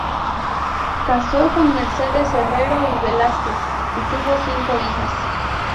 Casó con Mercedes Herrero y Velázquez y tuvo cinco hijas.